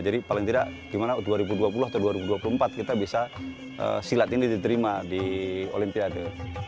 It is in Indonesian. jadi paling tidak gimana dua ribu dua puluh atau dua ribu dua puluh empat kita bisa silat ini diterima di olimpiade